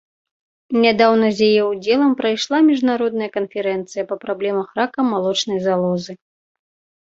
Нядаўна з яе ўдзелам прайшла міжнародная канферэнцыя па праблемах рака малочнай залозы.